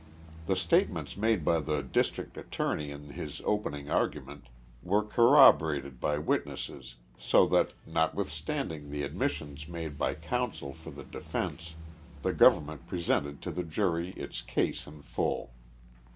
The statements made by the District Attorney in his opening argument were corroborated by witnesses so that, notwithstand ing the admissions made by counsel for the defence, the govern ment presented to the jury its case in full.